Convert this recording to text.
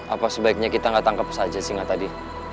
apa sebaiknya kita enggak tangkap saja singa tadi